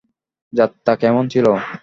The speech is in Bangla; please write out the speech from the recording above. যাত্রা কেমন ছিলো?